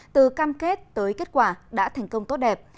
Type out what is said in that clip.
từ cam kết tới kết quả đã thành công tốt đẹp